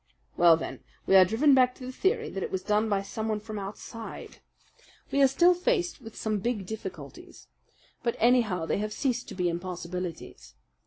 "Well, then, we are driven back to the theory that it was done by someone from outside. We are still faced with some big difficulties; but anyhow they have ceased to be impossibilities.